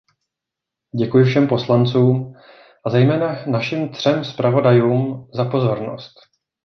Děkuji všem poslancům, a zejména našim třem zpravodajům, za pozornost.